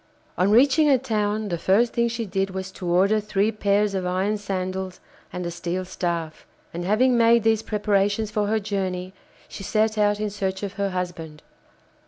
On reaching a town, the first thing she did was to order three pairs of iron sandals and a steel staff, and having made these preparations for her journey, she set out in search of her husband.